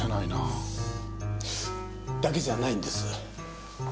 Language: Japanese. だけじゃないんです。